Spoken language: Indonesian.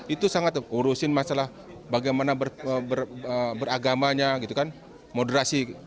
itu sangat urusin masalah bagaimana beragamanya moderasi